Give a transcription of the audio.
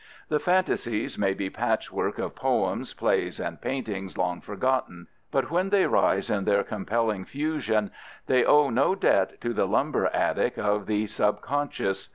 The fantasies may be patchwork of poems, plays, and paintings long forgotten, but when they rise in their compelling fusion they owe no debt to the lumber attic of the subconscious.